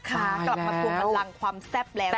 กลับมาทวงบันลังความแซ่บแล้วนะคะ